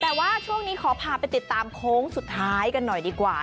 แต่ว่าช่วงนี้ขอพาไปติดตามโค้งสุดท้ายกันหน่อยดีกว่า